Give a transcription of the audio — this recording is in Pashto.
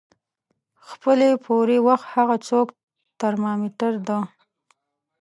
خپلې پورې وخت هغه څوکه ترمامیټر د